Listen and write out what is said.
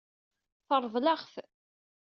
Teṛḍel-aɣ-t.